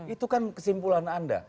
itu kan kesimpulan anda